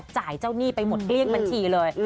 เจ้าหนี้ไปหมดเกลี้ยงบัญชีเลย